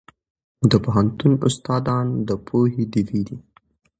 د پوهنتون استادان د پوهې ډیوې دي.